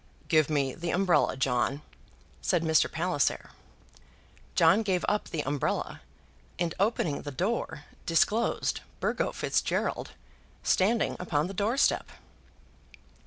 "Give me the umbrella, John," said Mr. Palliser. John gave up the umbrella, and opening the door disclosed Burgo Fitzgerald standing upon the door step.